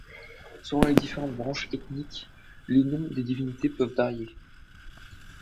Selon les différentes branches ethniques, les noms des divinités peuvent varier.